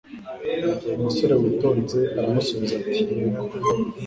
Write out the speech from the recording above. Umusore witonze aramusubiza ati: "Yego,